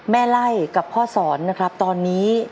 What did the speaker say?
แม่ไล่กับพ่อสอนนะครับตอนนี้